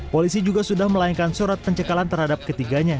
polisi juga sudah melayangkan surat pencekalan terhadap ketiganya